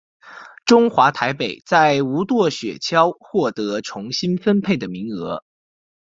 中华台北在无舵雪橇获得重新分配的名额。